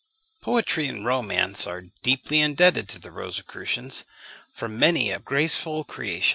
Poetry and romance are deeply indebted to the Rosicrucians for many a graceful creation.